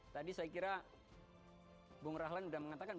tadi saya kira bung rahlan sudah mengatakan